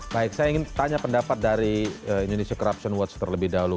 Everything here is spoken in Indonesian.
baik saya ingin tanya pendapat dari indonesia corruption watch terlebih dahulu